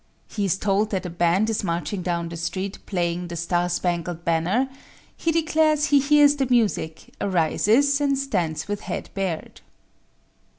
He is told that a band is marching down the street, playing "The Star Spangled Banner;" he declares he hears the music, arises and stands with head bared.